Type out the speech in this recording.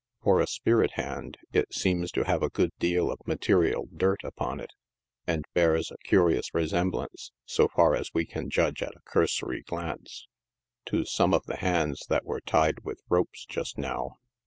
For a " spirit hand," it seems to have a good deal of material dirt upon it, and bears a curious resem blance, so far as we can judge at a cursory glance, to some of the hands that were tied with ropes just now.